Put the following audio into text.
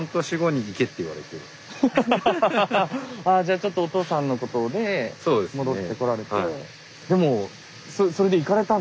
あじゃちょっとお父さんのことで戻ってこられて。